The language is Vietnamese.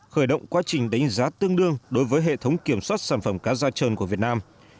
khởi động quá trình đánh giá tương đương đối với hệ thống kiểm soát sản phẩm cá da trơn của việt nam